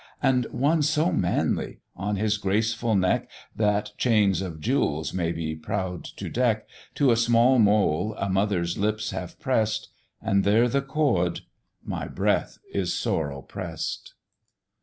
And one so manly; on his graceful neck, That chains of jewels may be proud to deck, To a small mole a mother's lips have press'd And there the cord my breath is sore oppress'd.